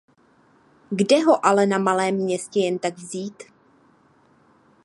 Kde ho ale na malém městě jen tak vzít.